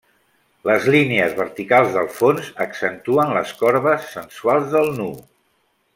Les línies verticals del fons accentuen les corbes sensuals del nu.